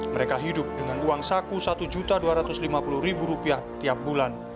mereka hidup dengan uang saku rp satu dua ratus lima puluh tiap bulan